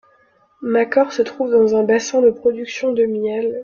Makor se trouve dans un bassin de production de miel.